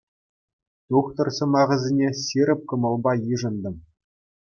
Тухтӑр сӑмахӗсене ҫирӗп кӑмӑлпа йышӑнтӑм.